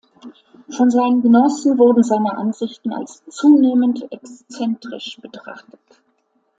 Von seinen Genossen wurden seine Ansichten als zunehmend exzentrisch betrachtet.